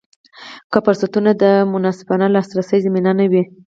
که فرصتونو ته د منصفانه لاسرسي زمینه نه وي.